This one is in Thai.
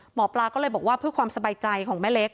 หมอปลาก็เลยบอกว่าเพื่อความสบายใจของแม่เล็ก